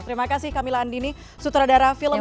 terima kasih kamila andini sutradara film yuni